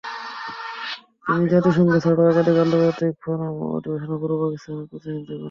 তিনি জাতিসংঘ ছাড়াও একাধিক আন্তর্জাতিক ফোরাম এবং অধিবেশনে পূর্ব পাকিস্তানের প্রতিনিধিত্ব করেন।